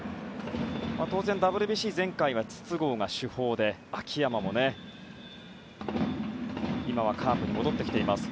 ＷＢＣ、前回は筒香が主砲で秋山も今はカープに戻ってきています。